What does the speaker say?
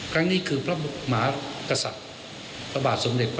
ครั้งนี้คือพระมหากษัตริย์